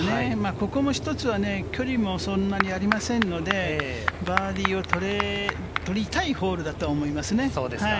ここも１つは距離もそんなにありませんので、バーディーを取りたいホールだと思いますね。